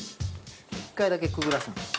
１回だけくぐらすんです。